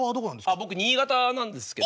僕新潟なんですけど。